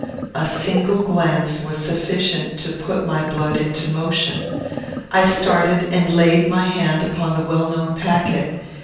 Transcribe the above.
A single glance was sufficient to put my blood into motion. I started and laid my hand upon the well known packet.